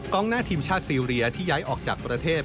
หน้าทีมชาติซีเรียที่ย้ายออกจากประเทศ